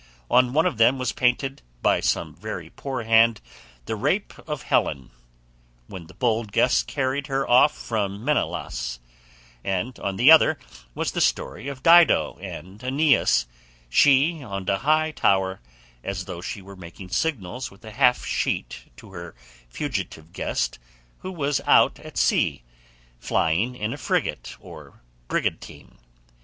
On one of them was painted by some very poor hand the Rape of Helen, when the bold guest carried her off from Menelaus, and on the other was the story of Dido and Æneas, she on a high tower, as though she were making signals with a half sheet to her fugitive guest who was out at sea flying in a frigate or brigantine.